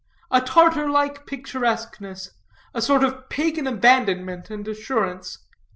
A Tartar like picturesqueness; a sort of pagan abandonment and assurance.